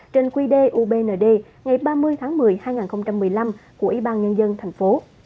trên quy đề ubnd ngày ba mươi tháng một mươi hai nghìn một mươi năm của ủy ban nhân dân tp